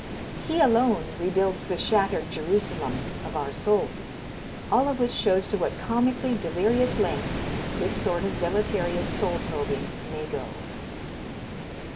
He alone rebuilds the shattered Jerusalem of our souls." All of which shows to what comically delirious lengths this sort of deleterious soul probing may go.